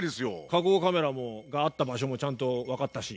火口カメラがあった場所もちゃんと分かったし。